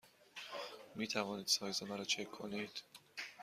می توانید سایز مرا چک کنید؟